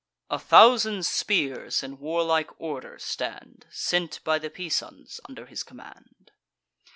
A thousand spears in warlike order stand, Sent by the Pisans under his command.